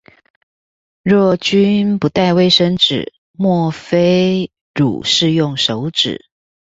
若君不帶衛生紙，莫非汝是用手指